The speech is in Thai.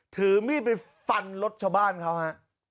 ถือมีดไปฟันรถชาวบ้านเขาฮะ